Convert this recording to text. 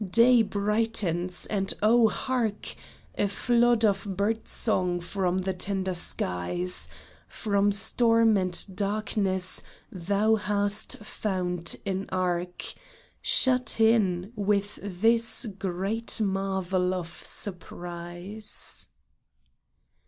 Day brightens — and, oh hark ! A flood of bird song from the tender skies ! From storm and darkness thou hast found an ark, Shut in with this great marvel of surprise